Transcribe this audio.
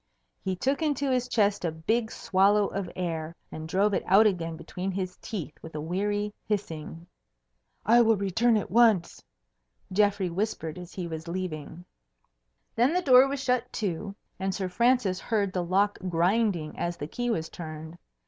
He took into his chest a big swallow of air, and drove it out again between his teeth with a weary hissing. "I will return at once," Geoffrey whispered as he was leaving. Then the door was shut to, and Sir Francis heard the lock grinding as the key was turned.